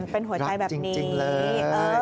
เป็นหัวใจแบบนี้รักจริงเลย